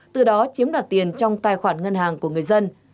từ đó chiếm đoạt tiền trong tài khoản ngân hàng của người dân